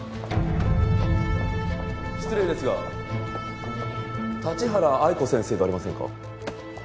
失礼ですが立原愛子先生ではありませんか？